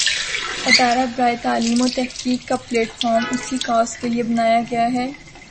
ادارہ برائے تعلیم وتحقیق کا پلیٹ فارم اس کاز کے لئے بنایا گیا۔